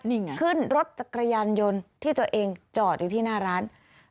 นี่ไงขึ้นรถจักรยานยนต์ที่ตัวเองจอดอยู่ที่หน้าร้าน